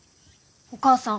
お義母さん。